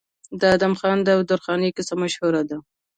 د ادم خان او درخانۍ کیسه مشهوره ده.